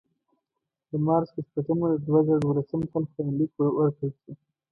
د مارچ په شپږمه د دوه زره دولسم کال ستاینلیک ورکړل شو.